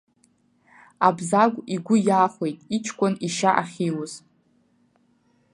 Абзагә игәы иахәеит иҷкәын ишьа ахьиуз.